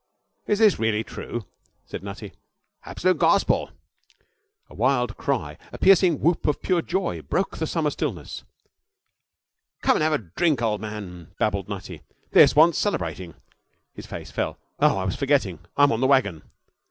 'Is this really true?' said Nutty. 'Absolute gospel.' A wild cry, a piercing whoop of pure joy, broke the summer stillness. 'Come and have a drink, old man!' babbled Nutty. 'This wants celebrating!' His face fell. 'Oh, I was forgetting! I'm on the wagon.'